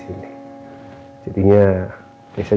jadinya keisha juga keliatan happy main dengan rena